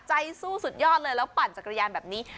ใจสู้สุดยอดเลยแล้วปั่นจักรยานแบบนี้